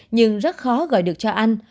nhưng rất khó gọi được cho anh